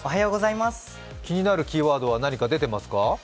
気になるキーワードは何か出てますか？